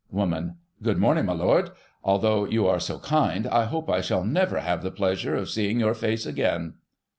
Woman : Good morning, my Lord. Although you are so kind, I hope I shall never have the pleasure of seeing your face again.